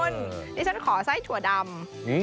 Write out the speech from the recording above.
นี่ฉันขอไส้ถั่วดำ